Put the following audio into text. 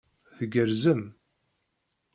Tgerrzem?